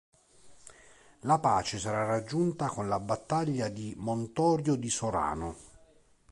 La pace sarà raggiunta con la battaglia di Montorio di Sorano.